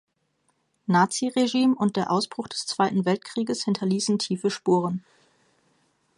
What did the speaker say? Nazi-Regime und der Ausbruch des Zweiten Weltkrieges hinterließen tiefe Spuren.